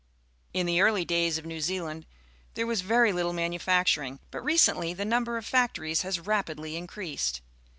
In the early days of New Zealand there was very Uttle manufacturing, but recently the number of factories has rapidly increased.